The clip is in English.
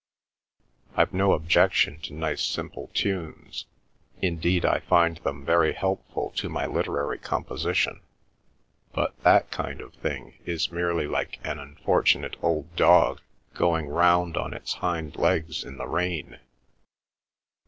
"I've no objection to nice simple tunes—indeed, I find them very helpful to my literary composition, but that kind of thing is merely like an unfortunate old dog going round on its hind legs in the rain."